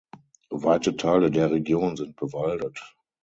Weite Teile der Region sind bewaldet.